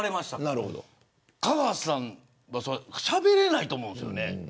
香川さん、しゃべれないと思うんです。